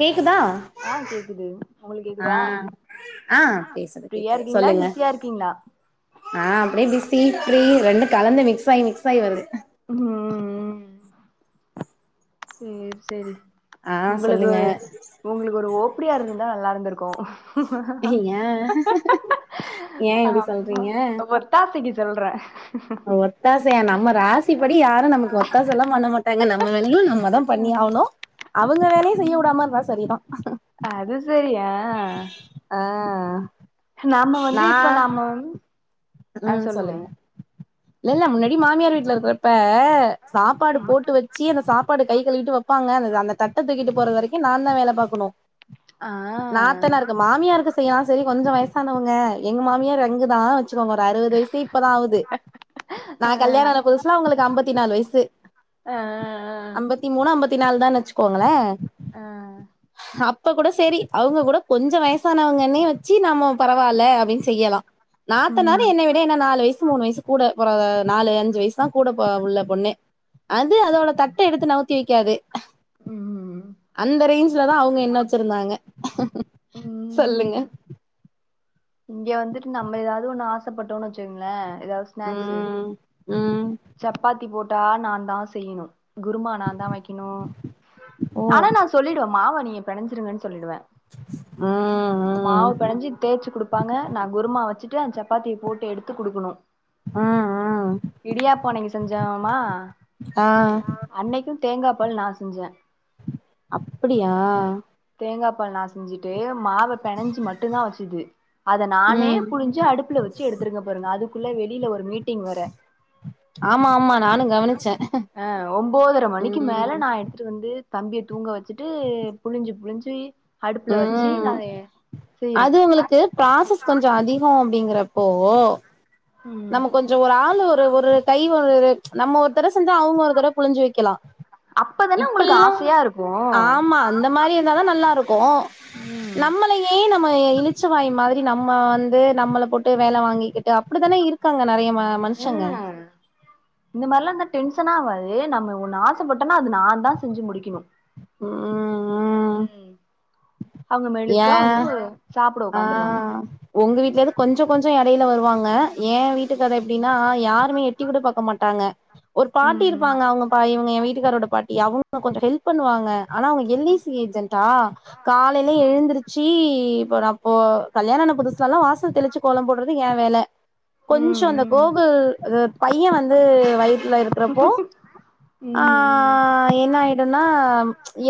கேக்குதா ஆ கேக்குது உங்ளுக்கு ஆ கேக்குதா ஆ பேசுது ஃப்ரீயா கேக்குது இருக்கீங்ளா சொல்லுங்க பிஸியா இருக்கீங்ளா ஆ அப்டியே பிசி ஃப்ரீ ரெண்டு கலந்து மிக்ஸ்சாயி மிக்ஸ்சாயி வருது ம் ம் ம் சேர் சேரி ஆ உங்களுக்கு சொல்லுங்க உங்ளுக்கு ஒரு ஓப்டியா இருந்துருந்தா நல்லாருந்திருக்கு ஏ ஏ இப்டி ஆமா சொல்றீங்க ஒத்தாசைக்கு சொல்றே ஒத்தாசையா நம்ம ராசிப்படி யாரு நமக்கு ஒத்தாசலா பண்ண மாட்டாங்க நம்ம வேலைய நம்மதா பண்ணி ஆவ்ணு அவுங்க வேலைய செய்ய வுடாம இருந்தா சரிதா அது செரி ஆ நாம வந்து இப்போ நாம வந் உக்ஷம் சொல்லுங்க இல்ல இல்ல முன்னாடி மாமியார் வீட்ல இருக்றப்ப சாப்பாடு ம் போட்டு வச் ச்சி அந்த சாப்பாடு கை கழுவிட்டு வைப்பாங்க அந்த அந்த தட்ட தூக்கிட்டு போறது வரைக்கு நா தா வேல பாக்கணு ஆ நாத்தனார்க்கு மாமியார்க்கு செய்யாலா செரி கொஞ்சோ வயசானவங்க எங்க மாமியார் எங்குதா ச்சுகோங்க ஒரு அறுவது வயசு இப்பதா ஆவுது நா ஆ கல்யாண ஆனா புதுசுல அவுங்களுக்கு அம்பத்தி நாலு வயசு அ அம்பத்தி மூணு அம்பத்தி நாலு தான் வச்சுக்கோங்ளே அ அப்போ கூட சரி அவுங்க கூட கொஞ்சோ வயசானவங்கனே வச்சு நாம பரவால்ல அப்டின் செய்யலா நாத்தனாரு ம் என்ன விட என்ன நாலு வயசு மூணு வயசு கூட போற நாலு அஞ்சு வயசு தா கூட போ உள்ள பொண்ணு அது அதோட தட்ட எடுத்து நவுத்தி வைக்காது ம் அந்த ரேஞ்லதா அவுங்க என்ன வச்சிருந்தாங்க சொல்லுங்க ம் இங்க வந்துட்டு நம்ம எதாது ஒண்ணு ஆசைப்பட்டோனு வச்சுக்கோங்ளே எதாது ஸ்நாக்ஸு ம் ம் சப்பாத்தி போட்டா நா தா செய்யுணு குருமா நா தா வைக்கணு ஓ ஆனா நா சொல்லிடுவே மாவ நீங்க பெணைஞ்சிருங்கன் சொல்லிடுவே ம் ம் மாவு பெணஞ்சி தேச்சு குடுப்பாங்க நா குருமா வச்சுட்டு அந்த சப்பாத்திய போட்டு எடுத்து குடுக்குணு அ அ இடியாப்போ அன்னிக்கு செஞ்சோமா ஆ அன்னைக்கு தேங்கா பால் நா செஞ்சே அப்டியா தேங்கா பால் நா செஞ்சுட்டு மாவ பெனஞ்சு மட்டுதா வச்சுது அத நானே ம் புலிஞ்சு அடுப்புல வச்சு எடுத்திருக்க பாருங்க அதுக்குள்ள வெளில ஒரு மீட் ஆமா ஆமா நானு கவனிச்சே ஆ ஒம்போதர மணிக்கு மேலே ம் நா எடுத்துட்டு வந்து தம்பிய தூங்க வச்சுட்டு புலிஞ்சு புலிஞ்சு அடுப்புல வச்சு ம் நா அது செய்றே அது உங்களுக்கு ப்ராசஸ் கொஞ்சோ அதிகோ அப்டிங்றப்போ ம் நம்ம கொஞ்சோ ஒரு ஆள் ஒரு ஒரு கை ஒரு நம்ம ஒருத்தற செஞ்சா அவங்க ஒருத்தட புழிஞ்சு வைக்கலா அப்பதானே உங்களுக்கு இப்புல்லா ஆசையா இருக்கு ஆமா அந்த மாரி இருந்தாதா நல்லா இருக்கு ம் நம்மள ளே நம்ம இளிச்ச வாய் மாதிரி நம்ம வந்து நம்மள போட்டு வேல வாங்கிக்கிட்டு அப்டித்தானே இருக் காங்க நறைய ம மனுஷங்க ம் இந்த மார்ல்லா இந்த டென்ஷனா ஆவது நம்ம ஒண்ணு ஆசைப்பட்டடோனா அது நா தா செஞ்சு முடிக்கணு ம் ம் ம் அவங்க மெலுக்கா ஏ வந்து சாப்ட ஆ உக்காந்துருவாங்க உங்க வீட்லருந்து கொஞ்ச கொஞ்சம் எடையில வருவாங்க ஏன் வீட்டு கத எப்டின்னா யாருமே எட் எட்டி கூட பாக்க மாட்டாங்க ஒரு பாட்டி ம் இருப்பாங்க அவங்க பா இவங்க என் வீட்டுக்காரோட பாட் யா அவங்க கொஞ்சம் ஹெல்ப் பண்ணுவாங்க ஆனா அவங்க எல் ஐ சி ஏஜென்டா கால் லை எழுந்துருச்சு போறாம் ஓ கல்யாண ஆனா புதுஸ்லல்லா வாசல் தெளிச்சு கோலம் போட்றது என் வேல கொஞ்சோ ம் அந்த ம் கோகுல் அ பையன் வந்து வயித்துல இருக்கறப்போ ஆ ம் ம் என்ன ஆய்டோன்னா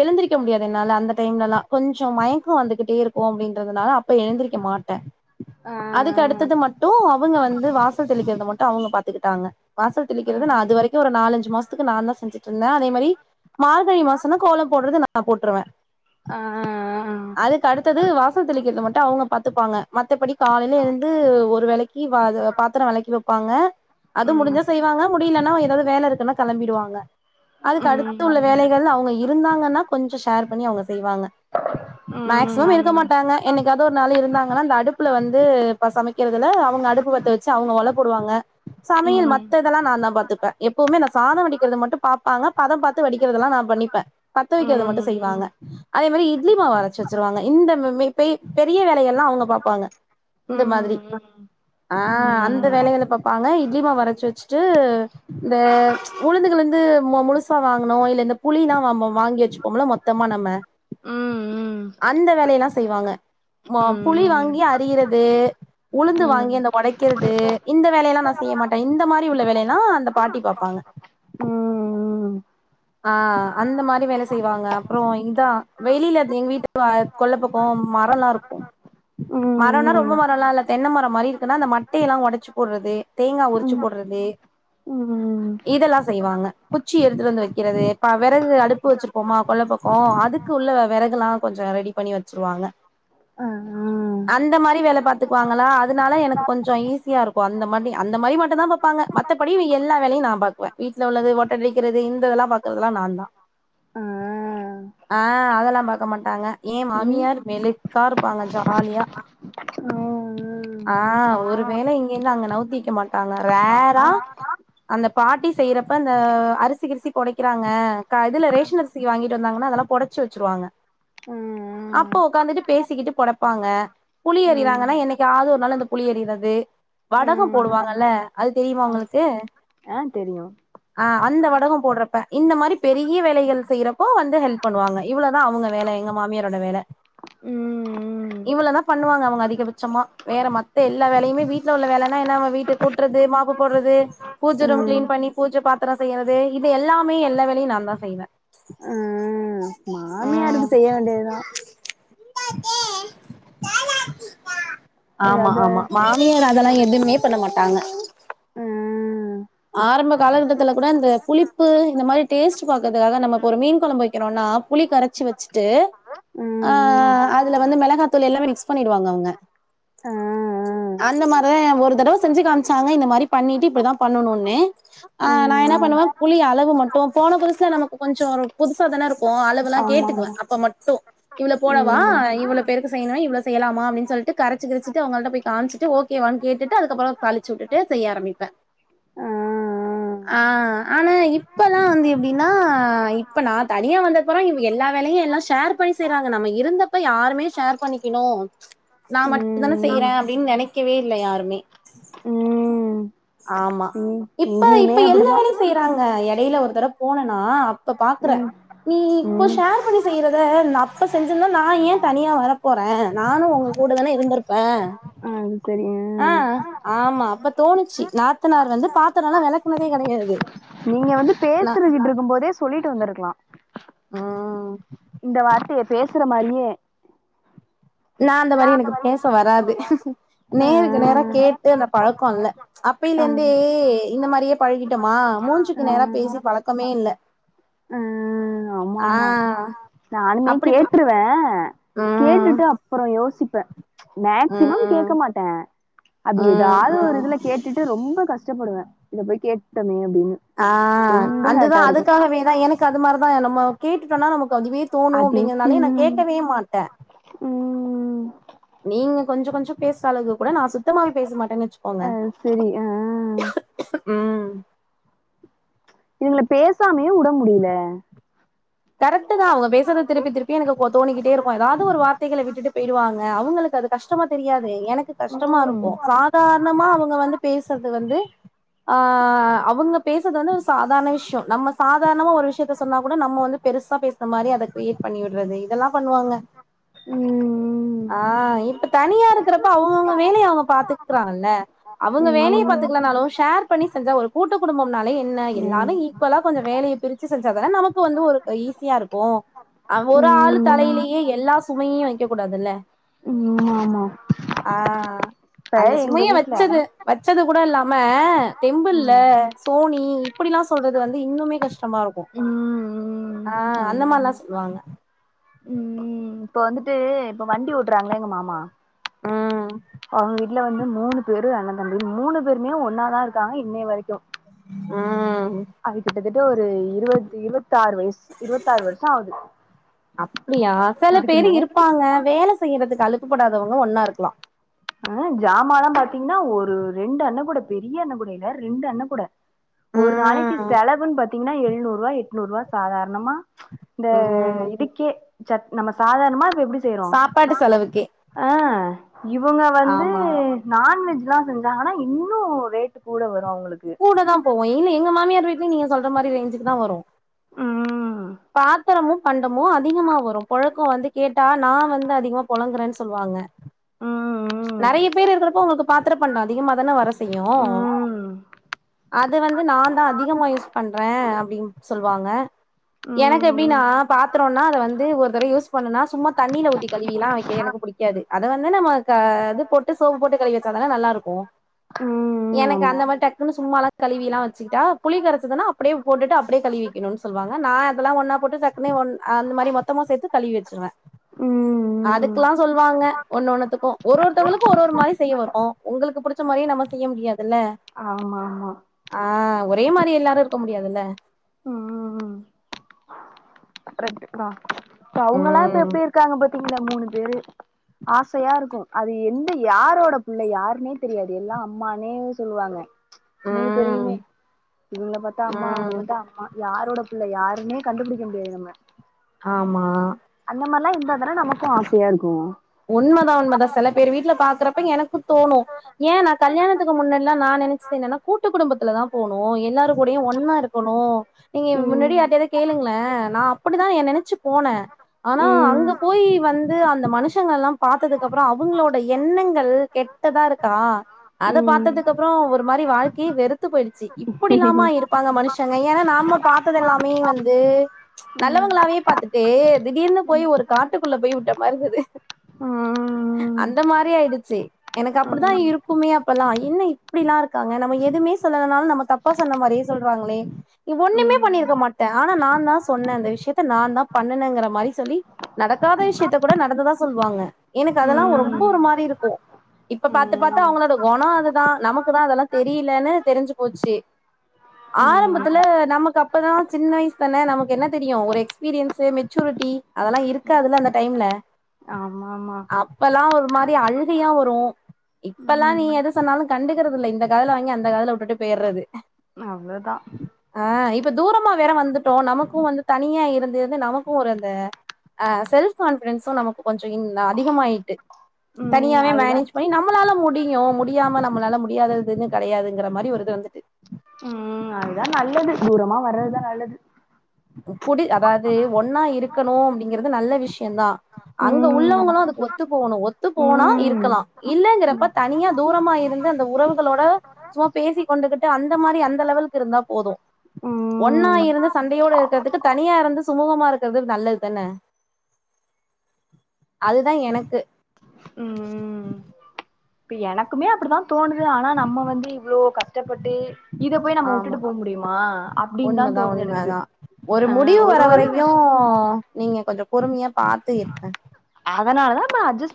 எழுந்திரிக்க முடியாது என்னால அந்த டைம்லல்லா கொஞ் சோ மயக்கம் வந்துகிட்டே இருக்கும் அப்டின்றதுனால அப்ப எழுந்திரிக்க மாட்ட ஆ அதுக்கு அடுத்தது மட்டு அவங்க வந்து வாசல் தெளிக்கிறது மட்டும் அவங்க பாத்துக்கிட்டாங்க வாசல் ஆ தெளிக்கிறது நா அது வரைக் கு ஒரு நாலஞ்சு மாசத்துக்கு நான் தா செஞ்சுட்டு இருந்த அதே மாரி மார்கழி மாசம்னா கோலம் போடுறது நா போட்ருவ ஆ ஆ ஆ அதுக்கு அடுத்தது வாசல் தெளிக்கிறது மட்டும் அவங்க பாத்துப்பாங்க மத்தபடி காலையில எழுந்து ஒரு வேளைக் கி வ து பாத்திரம் வெளக்கி வெப்பாங்க அது முடிஞ்சா செய்வாங்க முடிலன்னா எதாவ்து வேல இருக்குன்னா கெளம்பிடுவாங்க அதுக்கு ம் அடுத்து உள்ள ம் வேலைகள் அவங்க இரு இருந்தாங்கன்னா கொஞ்சம் ஷேர் பண்ணி அவுங்க செய்வாங்க [inaudible] மேக்சிமம் இருக்க மாட்டாங்க என்னைக்காது ஒரு நாளு இருந்தாங்கன்னா அந்த அடுப்புல வந்து இப்ப சமைக்கிறதுல அவங்க அடுப்பு பத்த வச் ச்சா அவுங்க ஒலப்போடுவாங்க சமையல் மத்த இதல்லா நா தா பாத்துப்ப எப்பவுமே நா சாதம்வடிக்கிறது மட்டும் பாப்பாங்க பதம் பாத்து வடிக்கிறதுல்லா நா பண்ணிப்ப பத்த வெக்கிறது மட்டும் செய்வாங்க அதே மாரி இட் ட்லி மாவு அரச்சு வச்சுருவாங்க இந்த மே பெய் பெரிய வேலைகள்லா அவுங்க பாப்பாங்க இந்த மாதிரி ஆ அந்த வேலைகள பாப் பாங்க இட்லிமாவு அரச்சு வெச்சுட்டு இந்த உளுந்துகிளுந்து மோ முழுசா வாங்கணு இல்ல இந்த புளில்லா வாங்கி வச்சுப்போம்ல மொத்தமா நம்ம ம் அந்த வேலயெல்லா செய்வாங்க மோ புளி வாங்கி அரியிறது உளுந்து வாங்கி அந்தப் ஒடைக்கிறது இந்த வேலயெல்லா நா செய்ய மாட்ட இந்த மாரி உள்ள வேலையெல்லா அந்த பாட்டி பாப்பாங்க ஆ அந்த மாரி வேல செய்வாங்க அப்றோ இந்தா வெளியில எங் வீட்டு வ கொள்ள பக்கம் மரல்லா இருக்கும் ம் மரம்னா ரொம்ப மரல்லா இல்ல தென்ன மரம் மாரி இருக்குன்னா அந்த மட்டை எல்லா ஒடச்சு போட்றது தேங்கா உரிச்சு போட்றது ம் இதெல்லா செய்வாங்க குச்சி எடுத்துட்டு வந்து வெக் க்கிறது இப்ப வெறகு அடுப்பு வச்சிருப்போமா கொல்ல பக்கம் அதுக்கு உள்ள வெறகுல்லா கொஞ்சம் ரெடி பண்ணி வச்ருவாங்க ம் ம் அந்த மாரி வேல பாத்துக்குவாங்களா அதுனால எனக்கு கொஞ்சம் ஈஸியா இருக்கும் அந்த மாரி அந்த மாரி மட்டும்தா பாப்பாங்க மத் மத்தபடி எல்லா வேலயும் நா பாக்வ வீட்ல உள்ளது ஓட்ட அடிக்கிறது இந்த இதல்லா பாக்குறதெல்லா நான் தா ஆ அதெல்லா பாக்க மாட்டாங்க என் மாமியார் மெலுக்கா இருப்பாங்க ஜாலியா ஆ ஒரு வேல இங்கேந்து அங்க நவுத்தி வெக்க மாட்டாங்க வேற அந்த பாட்டி செய்றப்ப அந்த அரிசி கிரிசி பொடைக்கிறாங்க க இதுல ரேஷன் அரிசி வாங்கிட்டு வந்தாங்கன்னா அதெல்லா பொடச்சு வச்ருவாங்க அப்போ ஒக்காந்துட்டு பேசிக்கிட்டு பொடப்பாங்க புளி அறிறாங்கன்னா என்னைக்காவுது ஒரு நாள் இந்த புளி அறிறது வடகோ போடுவாங்கல்ல அது தெரியுமா மா உங்களுக்கு ஆ தெரியு ஆ அந்த வடகோ போடுறப் ம் இந்த மாரி பெரிய வேலைகள் செய்றப்போ வந்து ஹெல்ப் பண்ணுவாங்க இவ்ளோ தா அவுங்க வேல எங்க மாமியாரோட வேல ம் ம் இவ்ளோ தா பண்ணுவாங்க அவுங்க அதிகபட்சமா வேற மத்த எல்லா வேலையுமே வீட்ல உள்ள வேலனா என்ன அவ வீட்டு கூட்றது மாப்பு போடுறது பூஜ ரூம் ம் ம் கிளீன் பண்ணி பூஜ பாத்திரோ செய்யறது இது எல்லா எப்புமே எல்லா வேலையு நா தா செய்வே ம் ஆ மாமியாருக்கு செய்ய வேண்டியதுதா ஆமா எதாது ஆமா நீ வேற அதெல்லா எதுமே பண்ண மாட்டாங்க ம் ஆரம்ப காலகட்டத்துல கூட இந்த புளிப்பு இந்த மாரி டேஸ்ட் பாக்கறதுக்காக நம்ம இப்ப ஒரு மீன் கொழம்பு வக்கிறோன்னா புளி கரச் வச்சு வச்சுட்டு ஆ ம் ம் அதுல வந்து மிளகாத்தூள் எல்லாமே மிக்ஸ் பண்ணிடுவாங்க அவுங்க ஆ ஆ அந்த மாரி தா ஒரு தடவ செஞ்சு காமிச்சாங்க இந்த மாரி பண்ணிட்டு இப்டித்தா பண்ணணுனு ஆ நா என்ன பண்ணுவே ஆமா புளி அளவு மட்டு போன புதுசுல நமக்கு கொஞ்சோ ஒரு புதுசா தான இருக்கு அளவெல்லா கேட்டுக்குவே ஆமா அப்ப மட்டு இவ்ளோ போடாவா ம் ஆ இவ்ளோ பேருக்கு செய்யணு இவ்ளோ செய்யலாமா அப்டினு சொல்ட்டு கரச்சு கிரச்சிட்டு அவங்கள்ட போய் காமுச்சுட்டு ஓ கே ஒன் கேட்டுட்டு அதுக்கப்றோ தாளிச்சு வுட்டுட்டு செய்ய ஆரம்பிப்பே ஆ ஆ ஆனா இப்பலா வந்து எப்டின்னா இப்ப நா தனியா வந்த துகப்றோ இவுங்க எல்லா வேலையு எல்லா ஷேர் பண்ணி செய்றாங்க நம்ம இருந்தப்ப யாருமே ஷேர் பண்ணிக்குனு நா மட்டு தான ம் செய்றே ம் அப்டின்னு நெனைக்கவே இல்ல யாருமே ம் ஆமா இப்ப இங்கேயுமே இப்ப எல்லா அப்படிதா வேலையு செய்றாங்க எடையில ஒரு தடவ போனனா அப்ப பாக்குற ம் நீ இப்போ ம் ஷேர் பண்ணி செய்றத அப்ப செஞ்சிருந்தா நா ஏ தனியா வரப் போறே நானு உங்க கூட தான இருந்திருப்பே ஆ ம் செரிங்க அ ஆமா அப்ப தோணுச்சு நாத்தனார் வந்து பாத்தரோலா வெளக்குனதே கெடயாது நீங்க வந்து பேசிற்ர்கிட்ருக்கு போதே சொல்லிட்டு வந்துருக்குலா ஆ இந்த வார்த்தைய பேசுற மாரியே நா அந்த மாரி எனக்கு பேச வராது நேருக்கு நேர ம் கேட்டு அந்த பழக்கோ இல்ல அப்பையில இருந்தே இந்த மாரியே பழகிட்டோமா மூஞ்சிக்கு நேரா பேசி பழக்கமே இல்ல ம் ஆ நானுமே அப்டி பே கேட்டுருவே ம் கேட்டுட்டு அப்றோ யோசிப்பே மேக்சிமம் ம் கேக்க மாட்டே அப்டி ம் எதாவுது ஒரு ம் இதுல கேட்டுட்டு ரொம்ப கஷ்டப்படுவே இத போய் கேட்டோமே அப்டின்னு ஆ ரொம்ப அது தா ஹேட்டா இருக்கு அதுக்காகவே தா எனக்கு அது மாரி தா நம்ம கேட்டுட்டோனா நமக்கு அதுவே தோணு அது அப்டிங்கிறனாலே நா கேட்கவே மாட்டே ம் ம் ம் நீங்க கொஞ்சோ கொஞ்சோ பேசுற அளவு கூட நா சுத்தமாவே பேச மாட்டேன்னு வச்சுக்கோங்க ஆ செரி ஆ ம் இதுங்கள பேசாமையு விட முடில கரெக்ட் தா அவுங்க பேசறத திருப்பி திருப் ப்பயே எனக்கு தோணிக்கிட்டே இருக்கு ஏதாவது ஒரு வார்த்தைகள விட்டுட்டு போயிடுவாங்க அவுங்களுக்கு அது கஷ்டமா தெரியாது எனக்கு கஷ்டமா ம் இருக்கு சாதாரணமா அவுங்க வந்து பேசுறது வந்து ஆ அவங்க பேசுது வந்து ஒரு சாதாரண விஷயோ நம்ம சாதாரணமா ஒரு விஷயத்த சொன்னா கூட நம்ம வந் பெருசா பேசுன மாரி அத கிரியேட் பண்ணி விட்றது இதெல்லா பண்ணுவாங்க ம் ஆ இப்ப தனியா இருக்கறப்ப அவுங்கவுங்க வேலய அவுங்க பாத்துக்கறாங்கல அவுங்க வேலைய ம் பாத்துக்கலானாலு ஷேர் பண்ணி செஞ்சா ஒரு கூட்ட குடும்பம்னாலே என்ன எல்லாமே ம் ஈக்குவலா கொஞ்சோ வேலைய பிரிச்சு செஞ்சா தான நமக்கு வந்து ஒரு ஈஸியா இருக்கு ஒரு ஆள் ம் தலையிலேயே எல்லா சுமையு வைக்க கூடாதுல்ல ம் ஆமா ஆ இப்ப அந்த எங்க சுமைய வீட்ல வச்சது வச்சது கூட இல்லாம டெம்பிள்ல ம் சோ நீ இப்படிலா சொல்றது வந்து இன்னுமே கஷ்டமா இருக்கு ம் ம் ஆ அந்த ஆமா மாரிலா ஆமா சொல்லுவாங்க ம் இப்ப வந்துட்டு இப்ப வண்டி ஓட்டுறாங்கள எங்க மாமா ம் அவுங்க வீட்டுல வந்து மூணு பேரு அண்ணந் தம்பி மூணு பேருமே ஒன்னா தான் இருக்காங்க இன்னைய வரைக்கு ம் அது கிட்டத்தட்ட ஒரு இருவது இருபத்தாறு வயசு இருபத்தாறு வருஷோ ஆகுது அப்படியா சில இதுக்கு பேரு மேல இருப்பாங்க வேலசு செய்யறதுக்கு அலுப்புப்படாதவங்க ஒன்னா இருக்கலா அ ஜாமால்லா பாத்தீங்கன்னா ஒரு ரெண்டு அண்ண கூட பெரிய அண்ண கூட இல்ல ரெண்டு அண்ண கூட ஒரு நாளைக்கி ம் செலவுன்னு பாத்தீங்ன்னா எழ்நூறுவா எட்நூறுவா சாதாரணமா இந்த ம் இதுக்கே சத் நம்ம சாதாரணமா இப்ப எப்புடி சாப்பாட்டு செலவுக்கே ஆ இவங்க வந்து ஆமா ஆமா நான்வெஜ்லா செஞ்சாங்கன்னா இன்னு ரேட் கூட வரு அவுங்களுக்கு கூட தா போவு இல்ல எங்க மாமியார் வீட்ல நீங்க சொல்ற மாரி ரேஞ்சுக்கு தா வரு ம் பாத்திரமு பண்டமு அதிகமா வரு பொழக்கோ வந்து கேட்டா நா வந்து அதிகமா புழங்குறேன்னு சொல்லுவாங்க ம் நேறைய பேர் இருக்கிறப்போ உங்களுக்கு பாத்திரோ பண்டோ அதிகமாதானே வர செய்யு ம் ம் அது வந்து நா தா அதிகமா யூஸ் பண்றே அப்டின்னு சொல்லுவாங்க எனக்கு எப்டி நா ம் பாத்திரோனா அத வந்து ஒரு தடவ யூஸ் பண்ணுனா சும்மா தண்ணில ஊத்தி கலுவி எல்லா வைக் எனக்கு புடிக் புடிக்காது அத வந்து நம்ம இது போட்டு சோப்பு போட்டு கழுவி வச்சுதான நல்லா இருக்கு ம் எனக்கு அந்த மாரி டக்குன்னு ஆமா சும்மாலா கழுவி எல்லா வச்சுட்டா புளி கரைச்சதுன்னா அப்டியே போட்டுட்டு அப்டியே கழுவிக்கணு சொல்லுவாங்க நா எல்லா ஒன்னா போட்டு டக்னு ஒன் அந்த மாதிரி மொத்தமா சேத்து கழுவி வச்சிருவே ம் ம் அதுக்லாம் சொல்லுவாங்க ஒன்னு ஒண்ணுத்துக்கு ஒரு ஒருத்தவங்களுக்கு ஒரு ஒரு மாரி செய்ய வரு உங்களுக்கு புடுச்ச மாரியு நம்ம செய்ய முடியாதுல்ல ஆமா ஆமா ஆ ஒரே மாரி எல்லாரு இருக்க முடியாதுல்ல ம் ம் இப்ப அவுங்கல்லா இப்ப ம் எப்டி இருக்காங்க பாத்தீங்களா மூணு பேரு ஆசையா இருக்கு அது எந்த யாரோட புள்ள யாருன்னே தெரியாது எல்லாஅம்மேனே சொல்லுவாங்க மூணு ம் பேரையுமே இவங்கள பாத்தா அம்மா அவங்கள ம் பாத்தா அம்மா யாரோட பிள்ள யாருமே கண்டுபிடிக்க முடியாது நம்ம ஆமா அந்த மாரிலா இருந்தா தானே நமக்கு ஆசையா இருக்கு உண்மதா உண்மைதா சில பேர் வீட்டுல பாக்குறப்ப எனக்கு தோணு ஏ நா கல்யாணத்துக்கு முன்னாடி எல்லா நா நினைச்சது என்னன்னா கூட்டு குடும்பத்துல தா போனு எல்லாரு கூடயு ஒன்னா இருக்கணு நீங்க முன்னாடி ம் யாருட்டயாவ்து கேளுங்ளே நா அப்டி தா ஏ நெனைச்சு போனே ஆனா ம் அங்க போய் வந்து அந்த மனுஷ் ஷங்கள்லா பாத்ததுக்கப்பறோ அவுங்களோட எண்ணங்கள் கெட்டதா இருக்கா அத பாத்ததுக்கப்றோ ஒரு மாரி வாழ்க்கையே வெறுத்து போயிடுச்சு ம் இப்புடிலாமா இருப்பாங்க மனுஷங்க ஏனா நம்ம பாத்ததெல்லாமே வந்து ம் நல்லவங்களாவே பாத்துட்டு திடீர்னு போயி ம் ஒரு காட்டுக்குள்ள போயி விட்ட மார்ருக்குது ஆமா அந்த மாரி ஆயிடுச்சு எனக்கு அப்டித்தா இருக்குமே அப்பலா என்ன இப்டிலா இருக்காங்க நம்ம எதுமே சொல்லலனாலு நம்ம தப் ப்பா சொன்ன மாரியே சொல்றாங்களே ஏ ஓன்னுமே பண்ணிருக்க மாட்டே ஆனா நாந்தா சொன்னே அந்த விஷ்யத்த நாந்தா பண்ணுனேங்கிற மாரி சொல்லி நடக்காத விஷ்யத்தக் கூட நடந்ததா சொல்லுவாங்க எனக்கு அதெல்லா ஒ ரொம்ப ஒரு மாரி இருக்கு இப்ப பாத்து பாத்து அவ்ங்களோட கொண அதுதா நமக்கு தா அதெல்லா தெரியலன்னு தெரிஞ்சு போச்சு ஆரம்பத்துல நமக்கு அப்பதா சின்ன வயசு தானே நமக்கு என்ன தெரியு ஒரு எக்ஸ்பீரியன்ஸு மெச்சூரிட்டி அதெல்லா இருக்காதுல்ல அந்த டைம்ல ஆமாம்மா அப்பலா ஒரு மாரி அழுகையா வரு இப்பலா நீ ம் எது சொன்னாலு கண்டுக்குறதில்ல இந்த காதுல வாங்கி அந்த காதுல விட்டுட்டு போயிட்றது அவளோதா ஆ இப்ப தூரமா வேற வந்துட்டோ நமக்கு வந்து தனியா இருந்திருந்து நமக்கு ஒரு அந்த அ செல்ஃப் கான்ஃபிடன்ஸு நமக்கு கொஞ்ச இன் அதிகமாயிட்டு ம் தனியாவே அதுதா மேனேஜ் பண்ணி நம் நம்மளால முடியு முடியாம நம்மளால முடியாததெது கெடையாதுங்கிற மாரி ஒரு இது வந்துட்டு ம் அ அதுதா நல்லது தூரமா வர்றதுதா நல்லது குடி அதாவ்து ஒன்னா இருக்கணு அப்டிங்கிறது நல்ல விஷ்யந்தா அங்க ம் உள்ளவ்ங்களு அதுக்கு ஒத்து போகணு ஒத்து போனா ம் இருக்கலாம இல்லங்கிறப்ப தனியா தூரமா இருந் அந்த உறவுகளோட சும்மா பேசி கொண்டுகிட்டு அந்த மாரி அந்த லெவலுக்கு இருந்தா போது ஒன்னா ம் இருந்து சண் டையோட இருக்கிறதுக்கு தனியா இருந்து சுமூகமா இருக்கிறது நல்லது தான அதுதா எனக்கு ம் ம் இப்ப எனக்குமே அப்டித்தா தோணுது ஆனா நம்ம வந்து இவ்ளோ கஷ்டப்பட்டு இத போய் நம்ம ஆமா வுட்டுட்டு போ முடியுமா அப்டின் தா உண்மதா தோணுது எனக்கு உண்மதா ஒரு அ முடிவு வர ஒரு ஒரு வரைக்கு விஷ் நீங்க கொஞ்ச பொறுமையா பாத்து இருங்க அதனால தா நா அட்ஜஸ்ட் பண்